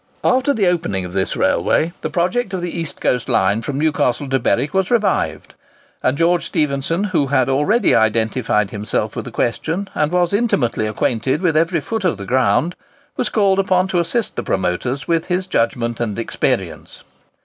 After the opening of this railway, the project of the East Coast line from Newcastle to Berwick was revived; and George Stephenson, who had already identified himself with the question, and was intimately acquainted with every foot of the ground, was called upon to assist the promoters with his judgment and experience.